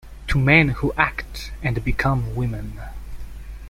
To men who act and become women.